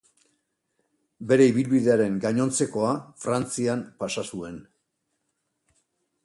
Bere ibilbidearen gainontzekoa Frantzian pasa zuen.